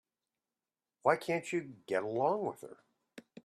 Why can't you get along with her?